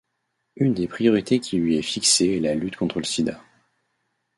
Une des priorités qui lui est fixée est la lutte contre le sida.